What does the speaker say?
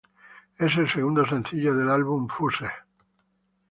Es el segundo sencillo del álbum "Fuse".